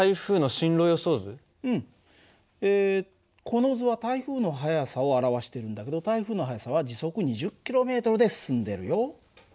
この図は台風の速さを表してるんだけど台風の速さは時速２０ｋｍで進んでるよ。